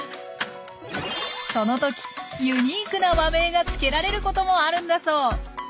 そのときユニークな和名がつけられることもあるんだそう。